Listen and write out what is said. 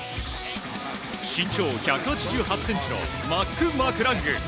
身長１８８ｃｍのマック・マクラング。